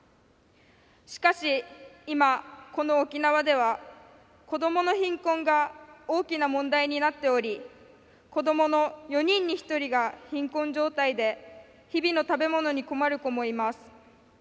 しかし、今この沖縄では「子どもの貧困」が大きな問題になっており子どもの４人に１人が貧困状態で日々の食べ物に困る子もいます。